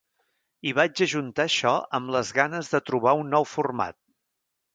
I vaig ajuntar això amb les ganes de trobar un nou format.